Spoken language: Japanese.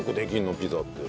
ピザって。